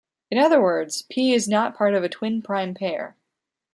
In other words, "p" is not part of a twin prime pair.